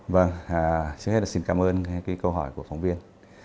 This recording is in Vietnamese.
vâng trước hết là xin cảm ơn câu hỏi của phóng viên